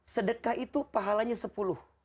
sedekah itu pahalanya sepuluh